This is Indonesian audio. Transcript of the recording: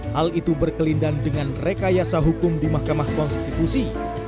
hal itu berkelindan dengan rekayasa hukum di mahkamah konstitusi